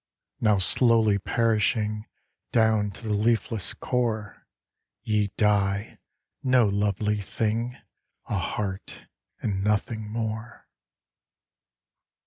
Now slowly perishing Down to the leafless core, Ye die; no lovely thing; A heart, and nothing more.